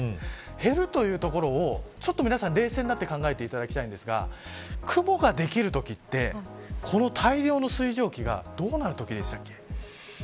減るというところを皆さん、ちょっと冷静になって考えていただきたいんですが雲ができるときってこの大量の水蒸気がどうなるときでしたっけ。